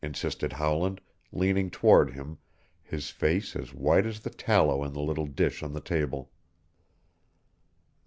insisted Howland, leaning toward him, his face as white as the tallow in the little dish on the table.